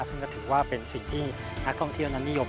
ซึ่งก็ถือว่าเป็นสิ่งที่นักท่องเที่ยวนั้นนิยม